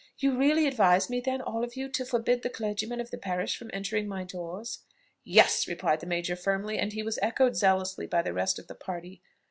You really advise me, then, all of you, to forbid the clergyman of the parish from entering my doors?" "Yes," replied the major firmly; and he was echoed zealously by the rest of the party.